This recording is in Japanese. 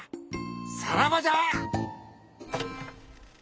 さらばじゃ！